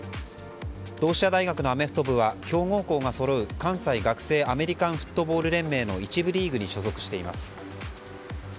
同志社大学のアメフト部は強豪校がそろう関西学生アメリカンフットボール連盟の一部リーグに所属しています。